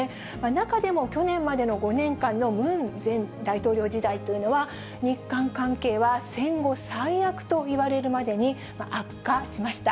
中でも去年までの５年間のムン前大統領時代というのは、日韓関係は戦後最悪といわれるまでに悪化しました。